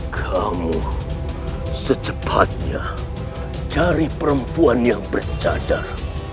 kamu secepatnya cari perempuan yang bercadar